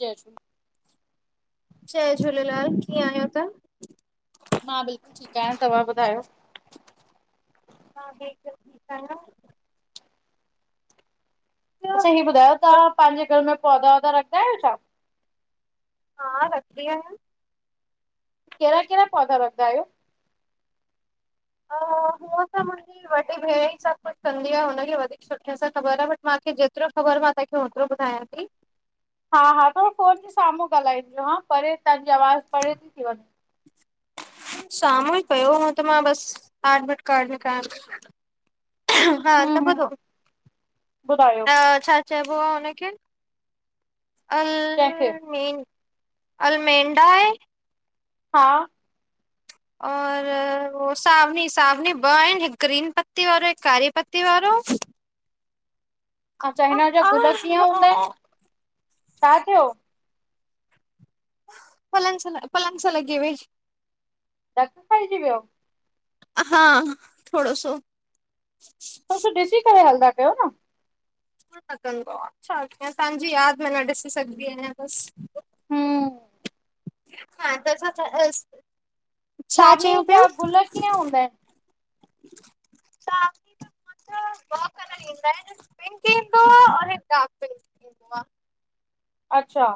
यस जय झूलेलाल- कीअं आहियो तव्हां? मां बिल्कुलु ठीकु आहियां तव्हां ॿुधायो? हा बि एक दम ठीक आयां। अच्छा हीअ ॿुधायो तव्हां पंहिंजे घर में पौधा वौधा रख्या आहियो छा? हा रखीदी आहियां। कहिड़ा कहिड़ा पौधा रख्दा आहियो? हा मौसम जे वॾी भेण ई सभु कुछ कंदी आ, हुनखे वधीक सुठे सां ख़बर आ बट मूखे जेतिरो ख़बर आ मां तव्हांखे हेतिरो ॿुधायां ती, हा- हा थोड़ो फोन जे साम्हूं ॻाल्हाई, हा परे तव्हांजी आवाज़ु परे ती थी वञे। [inaudible] साम्हूं ई पयो आ त मां बस एडमिट कार्ड में कयां, हा हम्म त हम्म ॿुधो ॿुधायो अ छ? चइबो आ हुनखे अ कंहिंखे मेन अलमेंडा आहे, हा, और वो सावनी -सावनी ॿ आहिनि हिकु ग्रीन पत्ती वारो हिकु कारी पत्ती वारो, अउं चाइना जा गुल कीअं हूंदाइन, छा थियो? पलंग सां पलंग सां लॻी वई, सब खाइजी व्यो? अहा थोड़ो सो, थोड़ो ॾिसी करे हलंदा कयो न? लॻदों आ छा कियां तव्हांजी यादि में न ॾिसी सघंदी आहियां बसि? हुम्म हा त असां छा सावनी चयुं पिया? जा गुल कीअं हूंदा आहिनि? तां ॿ कलर ईंदा आहिनि पिंक ईंदो आ और एक डार्क पिंक, ईंदो आ। अच्छा,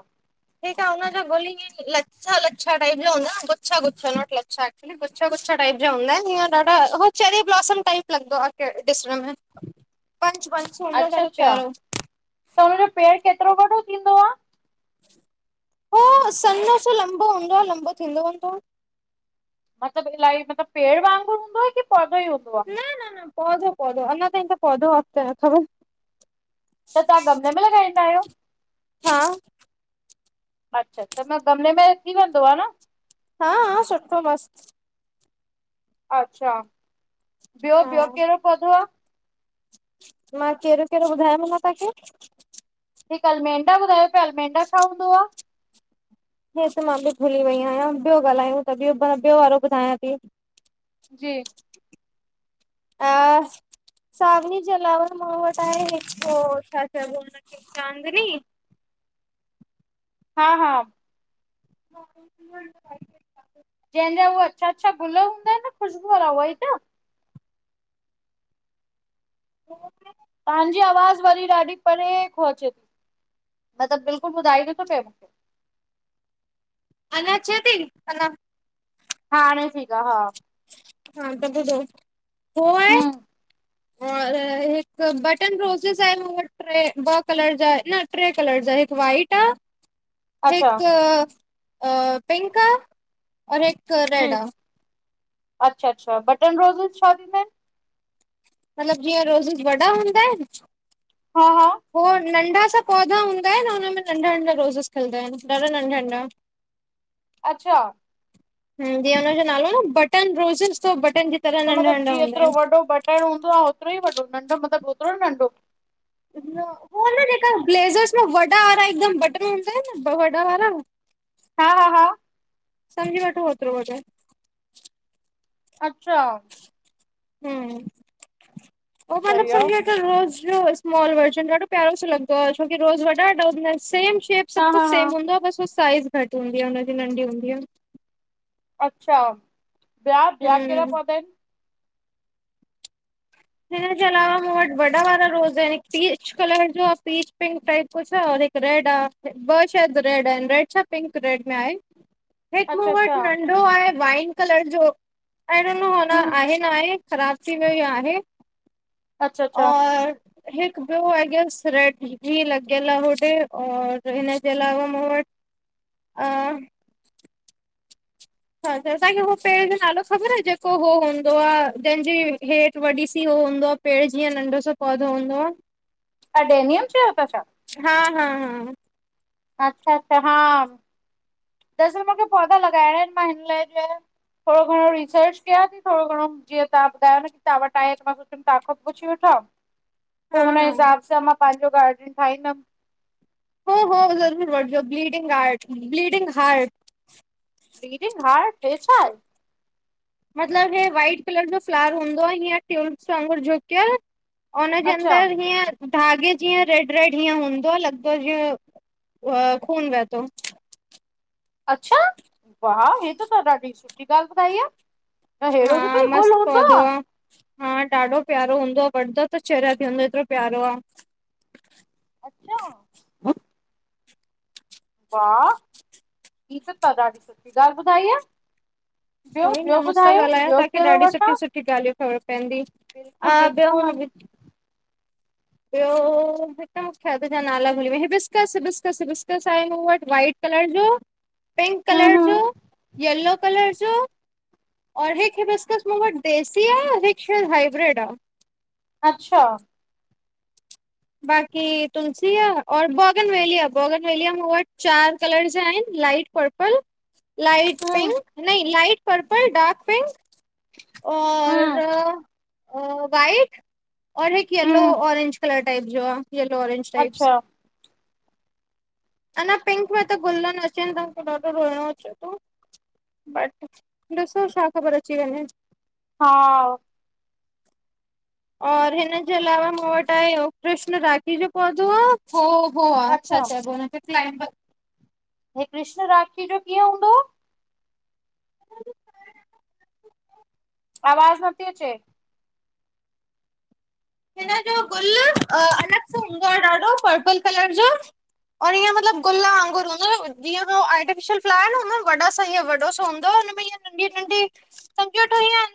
हेठां हुन जा ॻोली ॾिस लच्छा- लच्छा टाइप जा हूंदा गुच्छा- गुच्छा नोट लच्छा, गुच्छा -गुच्छा टाइप जा हूंदा आहिनि, हींय ॾाढा हो चैरी ब्लॉसम टाइप लॻंदो आ ॾिसण में, [inaudible] बंच- बंच अच्छा- अच्छा त हुनजो पेड़ केतिरो वॾो थींदो आ? हो सन्नो सो लंबो हूंदो आ लंबो थींदो वेंदो आ। मतिलब इलाही मतिलब पेड़ वांगुर हूंदो आ की पौधो ही हूंदो आ? न -न -न पौधो पौधो अञा ताईं त पौधो अॻिते न खबर त तव्हां गमले में लॻाईंदा आहियो? हा। अच्छा अच्छा न गमले में थी वेंदो आ न? हा हा सुठाे मस्त। अच्छा ॿियो हा ॿियो कहिड़ो पाेधो आ? मां कहिड़ो कहिड़ो ॿुधायो मांव तव्हांखे? हिकु अलमेंडा ॿुधायो पिया अलमेंडा छा हूंदो आ? हे त मां बि बुली वई आहियां ॿियो ॻाल्हायूं ता ॿियो ॿियों वारो ॿुधायां ती? जी। हा, सावनी जे अलावा मां वट आहे, हिक हो छा चऐबाे आ हुन खे? चांदनी, हा -हा। [unintelligible] जैंजा, हू अच्छा अच्छा गुल हूंदा एन न ख़ुशबू वारा उवई त। [unintelligible] तहांजी आवाज़, वरी ॾाढी परे खौंअचे ती मतलब बिल्कुल ॿुधाई न थो पए मूखे। अन अचे ती अनां? हां, हाणे ठीक आ, हा हा, कंदो तव। पोइ? हम्म तन, हिक बटन रोसेस एन मूं वट ट्रे, ॿ कलर जा, न ट्रे कलर जा, हिक वाइट आ अच्छा हिक अ पिंक आ और हिक जी, रेड आ अच्छा अच्छा बटन रोज़ेस छा थींदा एन? मतलब जीअं रोज़ेस वॾा हूंदा एन, हा हा हो नंढ़ा सा पौधा हूंदा एन, उनमें नंढ़ा नंढ़ा रोज़ेस खिलंदा एन, ॾाढा नंढ़ा नंढ़ा। अच्छा जीअं उनजो नालो न, बटन रोज़ेस तव बटन जे त मतलब जेतरो वॾो बटण हूंदो आ, ओतरो ई वॾो, नंढ़ो मतलब ओतरो नंढ़ो? न हो न जेका ब्लेज़र्स में वॾा वारा, हिकदम बटन हूंदा एन न वॾा वारा। हा हा हा समझी वठो होतरो वॾो आहे। अच्छा हूं, हू मत्लब सही आ, सम्झी वठ रोज़ जो स्मॉल वर्जन, ॾाढो प्यारो सो लॻदो आ, छोकी रोज़ वॾा वॾा हूंदा एन, सेम शेप सभ हा कुझ हा हा सेम हूंदो आ, बस हू साइज़ घट हूंदी आ, हुनजी नंढी हूंदी आ। अच्छा, ॿया, ॿया केड़ा हम्म पाैधा एन? हिनजे अलावा मूं वट वॾा वारा रोज़ एन, हिक पीच कलर जो आ, पीच पिंक टाइप कुछ आ और हिक् रेड आ, ॿ शाइद रेड आ, रेड छा पिंक रेड में आहिन। हिक मूं अच्छा अच्छा वट नंढ़ो आहे, वाइन कलर जो। अहिड़ो न हो न, हम्म आहे न आहे, रापची जाे ई आहे। अच्छा अच्छा और हिक ॿयो आ गेम्स रेड, ही लॻयल आ होॾे और हिनजे अलावा मूं वट आं तहांखे हो पेड़ जो नालो ख़बर आ, जेको हाे हूंदो आ, जंहिंजी हेठ वॾी सी हू हूंदो पेड़ जीअं, नंढ़ो सो पौधो हूंदो आ? अडेनियम चयो ता छा? हां हां हां अच्छा अच्छा हां, दरसल मूखे पौधा लॻाइणा एन, मां हिन लाइ चयो थोड़ो घणो रिसर्च कयां थी, थोड़ो घणो जीअं तहां ॿुधायो न की तहां वट आहे, त मां तांखों पुछी वठां, हा पो हुन हा हिसाब सां मां पांजो गार्डन ठाईंदम। हो हो ज़रूर वठजो, bleeding heart bleeding heart. Bleeding heart, हे छाहे? मतलब हे वाइट कलर जो फ्लावर हूंदो आ, हीअं ट्यूब्स वांगुर झुकयल। उन जे अच्छा अंदर हीअं धाॻे जीअं रेड-रेड, हीअं हूंदो आ, लग्भग जींअं खून वहेतो। अच्छा वाउ! हे त तहां ॾाढी सुठी ॻाल ॿुधाई आ त हा हेरो भि कोई गुल मस्तु हूंदो पौधो आ। आहे हा ॾाढो प्यारो हूंदो आ वङदा त चरया थयन एतिरो प्यारो आ। अच्छा! वाह! हिय त ॾाढी सुठी ॻाल् ॿुधाई आ। उहो ई न, मूं सां ॻाल्हायो, ॿियो तहांखे कहिड़ो ॾाढी वठां सुठियुं सुठियुं ॻाल्हियूं ख़बर पअंदी। ह बिल्कुलु [unintelligible] बिल्कुलु भियो। ॿियो मूंखे हदि जा नाला भुली विया हे hibiscus! Hibiscus! Hibiscus! I know it but white. Colour जो, पिंक हूं कलर जो, हूं यलो कलर जो और हे खे हिबिसकस मूं वट देसी आहे और हिकु हे शा हाइब्रिड आ। अच्छा! बाकी तुलसी आ और बॉगनवेलिया आ, बॉगन वेलिया मूं वटि चार कलर जा आहिन। लाइट पर्पल लाईट हूं पिंक, न लाइट पर्पल, डार्क पिंक और हूं वाइट औ हिकु यलो हूं ऑरेंज कलर टाइप जो आ। Yellow orange types. अच्छा अंञा पिंक में त ॻुल्ल न अचेन ता मूंखे ॾाढो रोइणो अचे थो। बट ॾिसो छा ख़बर अची वंञे। हा! और हिनजे अलावा मूं वट आ कृष्ण राखी जो पौधो आ। हो हो, आ अच्छा अच्छा-अच्छा! बोन क्लाइम हे कृष्ण राखी जो कीअं हूंदो? [inaudible] आवाज नथी अचे। हिन जो गुल अलॻि सां हूंदो आ ॾाढो पर्पल कलर जो। और इंअ मतलब गुल वांगुर हूंदो आ, जिंअ हो अर्टिफिअल फ्लावर आहे न उन में वॾा साहिय वॾो सो म नंढी- नंढी पंक्तियूं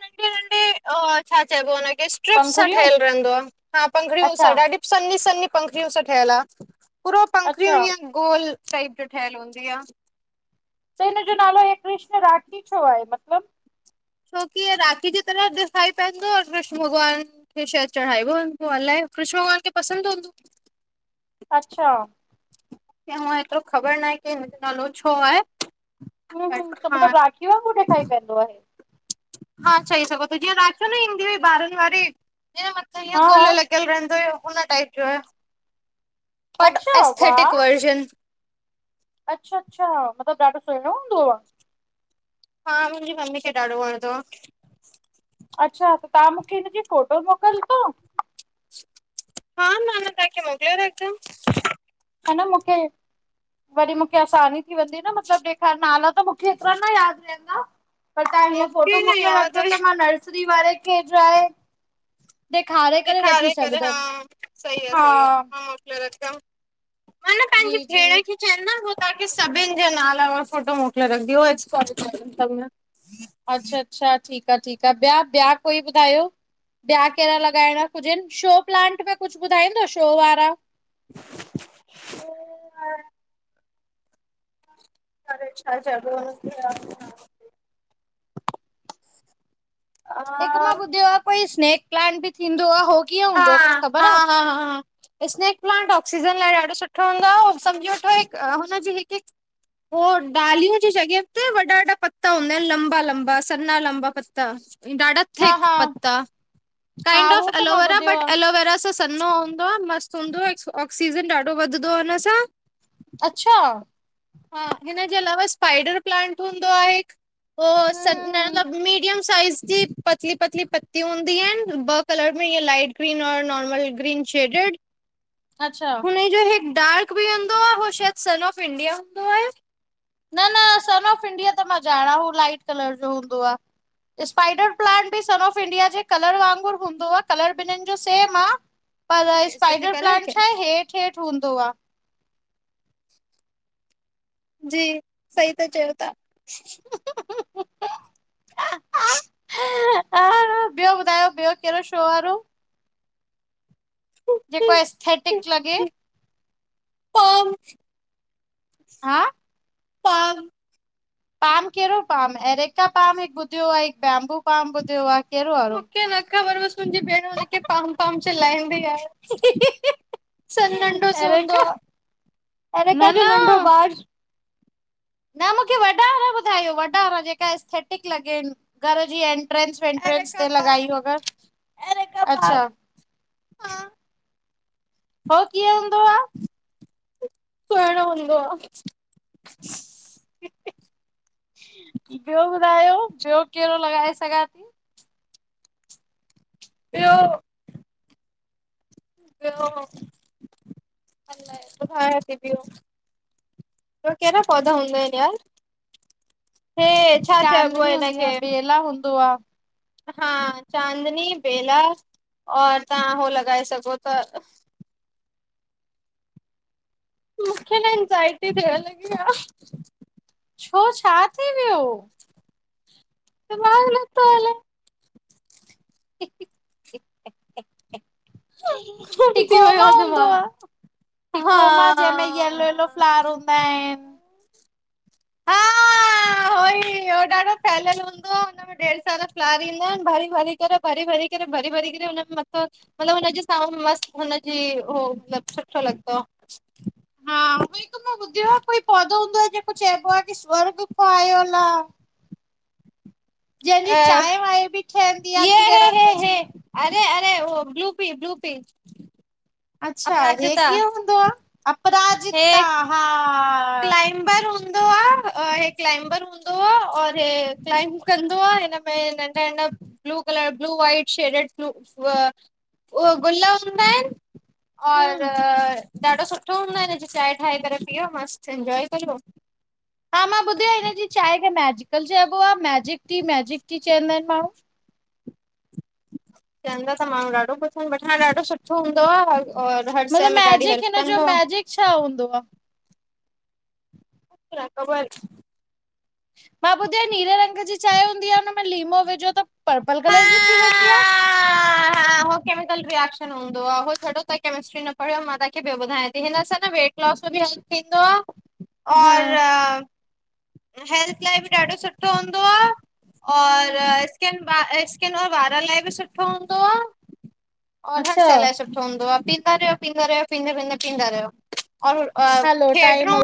नंढी-नंढी छा चइबो आ हुनखे? स्ट्रिप्स सां पंखुड़ियूं! ठहियल हा पंखड़ियूं। अच्छा ॾाढी सनी-सनी पंखड़ियूं सां ठहियल आ। पूरो पंखङियूं, अच्छा ईंय गोल टाइप जि ठयल हूंदी आ। त इन जो नालो कृष्ण राखी छो आहे मतलब? छोकि, राखी जी तरह ॾिखाई पवंदो कृष्ण भॻवानु। शहदि चढ़ाईबो आ, पोअलाए कृष्न भॻवान खे पसंदि हूंदो? अच्छा! मांखे हू एतिरो ख़बर न आहे कि हिनजो नालो छो आहे? हम्म हम्म, बट त हा मतलब राखी वांगुर ॾिखाई पवंदो आहे! हा चई सघो ता, जिंअं राखियुं न ईंदी हुई ॿारनि वारी जिंय मथां हा इहो गुल लॻियल रहंदो हुयो, हुन टाइप जो आहे। बट, अच्छा एस्थेटिक वर्जन। अच्छाअच्छा! मतलब ॾाढो सुहिणो हूंदो आ! हा, मुंहिंजी मम्मी खे ॾाढो वणंदो आ। अच्छा! त तहां मूंखे हिनजी फोटोस मोकिलदओ? हा मां न तांखे मोकिले र ह न मूंखे वरी मूंखे आसानी थी वेंदी न मतलब ॾेखार, नाला त मूंखे एतिरा न यादि रहंदा। पर तहां हीअं फोटो मूंखे न मोकिले यादि रखजो आहे त मां नर्सरी वारे खे ट्राए ॾेखारे करे वठी ॾेखारे सघदमि। [inaudible] र, मान पंहिंजी जी जी भेण! खे चहेन्दम उहे तहां खे सभिनि जे नाला ऐं फोटो मोकिले रखंदी। [inaudible] अच्छा -अच्छा, ठीकु आ, ठीकु आ, ॿिया ॿिया कोई ॿुधायो? ॿिया कहिड़ा लॻाइणा कुजनि, शो प्लांट में कुझु ॿुधाईंदो शो वारा? [inaudible] अरे छा चयॿो आ हुनखे याद नथा अचेन। हिकु मां ॿुधियो आ कोई स्नेक प्लांट ॿि थींदो आ, हो कीअं हूंदो आ। कुझु ख़बर आ? स्नैक प्लांट ऑक्सीजन लाइ ॾाढो सुठो हूंदो आ, सम्झो वठो हिकु हुनजी हिकु हिकु पोइ डालियूं जी जॻहि ते वॾा- वॾा पता हूंदा आहिनि लंबा -लंबा, सना लंबा पत्ता। ॾाढा हा थिक हा पत्ता, हा काइंड ऑफ हू त मां एलोवेरा ॿुधियो बट आहे एलोवेरा सां नो हूंदो आ, मस्त हूंदो आ, ऑक्सीजन ॾाढो वधंदो आ हुन सां। अच्छा। हा, हिनजे अलावा स्पाइडर प्लांट हूंदो आ हिक। उह, स हम्म हम्म हम्म मतलब मीडियम साइज जी पतली- पतली पत्ती हूंदी आहिनि ॿ कलर में इअं लाइट ग्रीन और नॉर्मल ग्रीन शेडेड। [inaudible] अच्छा। उनजो हिक डार्क भिहूंदो आ, हू शायद सन ऑफ़ इंडिया हूंदो आहे न- न, सन ऑफ इंडिया त मां ॼाणा, हू लाइट कलर जो हूंदो आ। स्पाइडर प्लांट ॿि सन ऑफ इंडिया जे कलर वांगुर हूंदो आ कलर बि्नि जो सेम आ। [inaudible] पर बेइज़ती स्पाइडर करे प्लांट रखे छा आहे, हेठ- हेठ हूंदो आ। जी, सही त चयो था। [inaudible] ह, ॿियो ॿुधायो, ॿियो कहिड़ो शो वारो? तव्हां जेको एस्थेटिक लॻे। पाम [inaudible] [unintelligible] [inaudible] [unintelligible] पाम कहिड़ो पाम, एरेका पाम हिकु ॿुधियो आ, हिक बाम्बू पाम ॿुधियो आ, कहिड़ो वारो? मूंखे न ख़बर बस, मुंहिंजी भेण हुनखे पाम -पाम चिलाईंदी आहे। सन नंढो सो हूंदो एरेका आ, एरिका न जो न नंढो बार। न मूंखे वॾा वारा ॿुधायो, वॾा वारा जेका एस्थेटिक लॻेन घर जी एन एंट्रेस वेंट्रेन्स एरेका ते लॻाईयु पाम अगर, एरेका पाम अच्छा। हा हो कीअं हूंंदो आ? टेणो हूंदो आ। [inaudible] ॿियो ॿुधायो, ॿियो कहिड़ो लॻाए सघां थी? ॿियो? ॿियो ॿुधाया वथी ॿियो। बिया कहिड़ा पौधा हूंदा आहिनि यार? हे छा चइबो चांदनी हूंदी हिनखे आ, वेला हूंदो आ। हा चांदनी, बेला और तव्हां होह लॻाए सघो था। मूंखे न एंज़ाइटी थियण लॻी आ। छो छा थी वियो? दिमाग नत्थो हले। गुम थी वियो टिकोमा आ हूंदो दिमाग़, आ। हा टिकोमा, जंहिंमें यलो -यलो फ्लावर हूंदा आहिन, हा, होई, हो ॾाढो फैलियल हूंदो आ, ॾेढ सारा फ्लार ईदा आहिनि, भरी भरी करे, भरी भरी करे, भरी भरी करे हुनमें मथां मतलब हुनजी स मस्त हुनजी हो मतलब सुठो लॻंदोआ। [inaudible] हा उई त मां ॿुधयो आ कोई पौधो हूंदो आ जेको चइबो आ कि स्वर्ग खां आयल आ, जंहिंजी अ चांहि वांहि बि ठहंदी आ य ह नीरे ह रंग जी। ह अरे अरे उहो ब्लू पी ब्लू पी अच्छा हे अपराजिता कीअं हूंदो आ? हे अपराजिता, हा क्लाइंबर हूंदो आ, हे क्लाइंबर हूंदो आ और हे क्लाइंब कंदो आ हिन में नंढा- नंढा blue colour blue white shaded blue हुअ गुल हूंदा आहिनि, और हम्म ॾाढो सुठो हूंदो आहिन अॼ चांहि ठाहे करे पीओ मस्त इनजॉय करो, हा! मां ॿुधो आ। हिनजी चांहि खे मैजिकल चइबो आ। मैजिक टी, मैजिक टी चवंदा आहिनि माण्हू। [inaudible] चवंदा त माण्हू ॾाढो कुुछ इन वठण ॾाढो सुठो हूंदो आ। और, हर शइ मतिलबु में ॾाढी मैजिक हेल्प हिन जो कंदो आ। मैजिक छा हूंदो आ? मुंखे नाए ख़बर? मां ॿुध्यो आ नीरे रंग जी चांहि हूंदी आ हुन में लीमो विझो त पर्पल हा कलर जी थी वेंदी आ? न हो केमिकल रिएक्शन हूंदो आ, हो छॾो त केमिस्ट्री न पढ़ियो, मां तव्हांखे ॿियो ॿुधायां ती हिन सां न वेट, लॉस में बि हल थींदो आ, हा और, हेल्थ लाइ बि ॾाढो सुठो हूंदो आ, और, हम्म स्केिन स्केिन और वारनि लाइ बि सुठो हूंदो आ, और, हर अच्छा शइ सुठो हूंदो आ। पींदा रहियो। पींदा रहियो। पींदे, पींदे, पींदा रहियो। और, अ हलो खडो, [unintelligible] टाइम